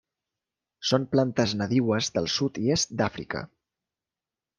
Són plantes nadiues del sud i est d'Àfrica.